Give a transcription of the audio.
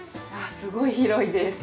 すごい広いです。